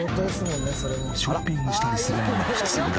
ショッピングしたりするのが普通だ。